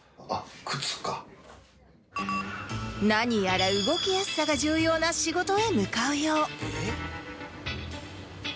何やら動きやすさが重要な仕事へ向かうよう